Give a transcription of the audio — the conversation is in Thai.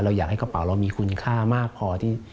อยากให้กระเป๋าเรามีคุณค่ามากพอที่